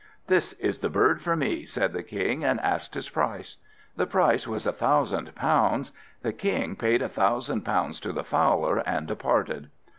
"This is the bird for me," said the King, and asked his price. The price was a thousand pounds. The King paid a thousand pounds to the Fowler, and departed.